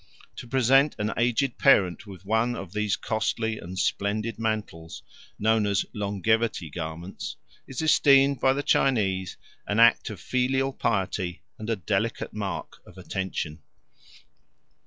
To present an aged parent with one of these costly and splendid mantles, known as "longevity garments," is esteemed by the Chinese an act of filial piety and a delicate mark of attention.